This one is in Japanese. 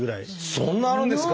そんなあるんですか？